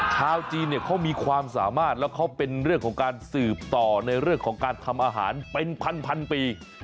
ชาวจีนเนี่ยเขามีความสามารถแล้วเขาเป็นเรื่องของการสืบต่อในเรื่องของการทำอาหารเป็นพันปี